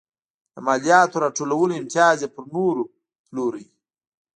د مالیاتو راټولولو امتیاز یې پر نورو پلوره.